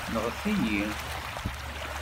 Nɣet-iyi.